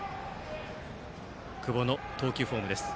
久保の投球フォームです。